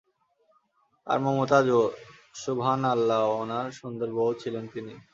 আর মমতাজ ও, শুভহানাল্লাহ, উনার সুন্দর বৌউ ছিলেন তিনি।